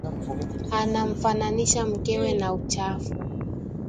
Anamfananisha mkewe na uchafu